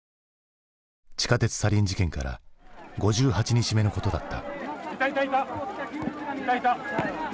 地下鉄サリン事件から５８日目のことだった。